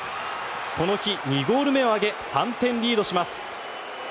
この日２ゴール目を挙げ３点リードします。